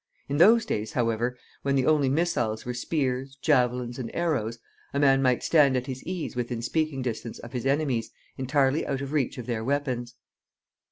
In those days, however, when the only missiles were spears, javelins, and arrows, a man might stand at his ease within speaking distance of his enemies, entirely out of reach of their weapons.